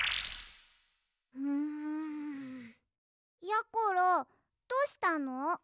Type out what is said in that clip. やころどうしたの？